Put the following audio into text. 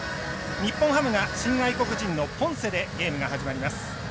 日本ハムが新外国人のポンセでゲームが始まります。